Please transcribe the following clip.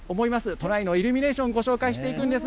都内のイルミネーションをご紹介していきます。